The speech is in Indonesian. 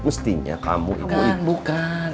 mestinya kamu itu bukan